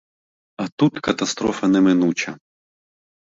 А тут катастрофа неминуча.